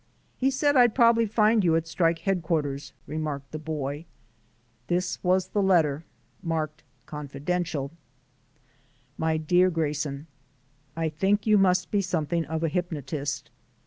"He said I'd probably find you at strike headquarters," remarked the boy. This was the letter: marked "Confidential." My Dear Grayson: I think you must be something of a hypnotist.